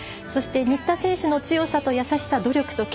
そして、新田選手の強さと優しさ努力